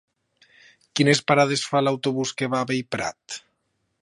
Quines parades fa l'autobús que va a Bellprat?